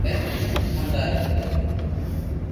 ايمونداري مون رھيوُ کپي